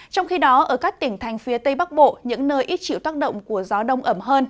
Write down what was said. trong khi đó ở các tỉnh thành phía tây bắc bộ những nơi ít chịu tác động của gió đông ẩm hơn